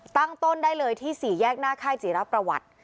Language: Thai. ตั้งต้นได้เลยที่๔แยกหน้าค่ายจิรประวัติ